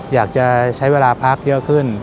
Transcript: อยากจะใช้เวลาพักเยอะขึ้น